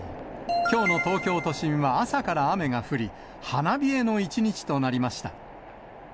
きょうの東京都心は朝から雨が降り、花冷えの一日となりました。